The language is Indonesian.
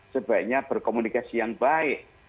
sebaiknya berkomunikasi yang baik